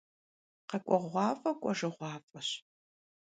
Khek'ueğuaf'e k'uejjığuaf'eş.